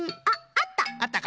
あっあった。